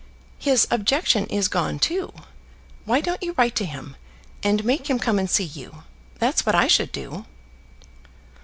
"His objection is gone too. Why don't you write to him, and make him come and see you? That's what I should do."